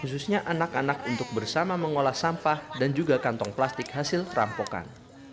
khususnya anak anak untuk bersama mengolah sampah dan juga kantong plastik hasil perampokan